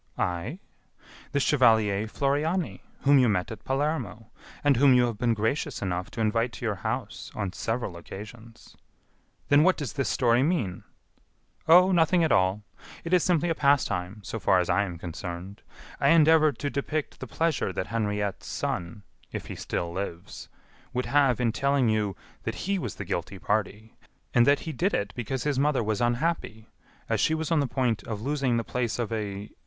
"I? The chevalier Floriani, whom you met at Palermo, and whom you have been gracious enough to invite to your house on several occasions." "Then what does this story mean?" "Oh! nothing at all! It is simply a pastime, so far as I am concerned. I endeavor to depict the pleasure that Henriette's son, if he still lives, would have in telling you that he was the guilty party, and that he did it because his mother was unhappy, as she was on the point of losing the place of a....